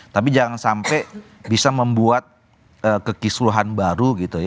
tapi jangan sampai bisa membuat kekisruhan baru gitu ya